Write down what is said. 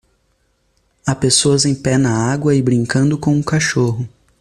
Há pessoa em pé na água e brincando com um cachorro.